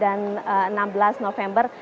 lima belas dan enam belas november